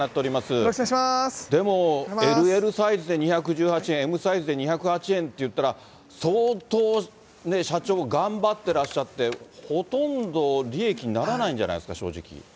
でもＬＬサイズで２１８円、Ｍサイズで２０８円っていったら、相当ね、社長、頑張ってらっしゃって、ほとんど利益にならないんじゃないんですか、正直。